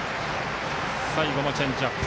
最後もチェンジアップ。